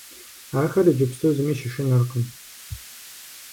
Ахэр иджыпсту зыми щышынэркъым.